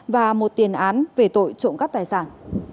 và một tiền án về tội trộm cắp tài sản